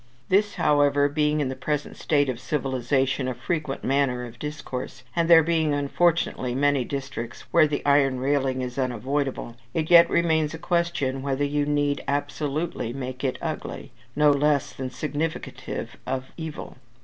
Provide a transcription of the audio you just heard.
This, however, being in the present state of civilization a frequent manner of discourse, and there being unfortunately many districts where the iron railing is unavoidable, it yet remains a question whether you need absolutely make it ugly, no less than significative of evil.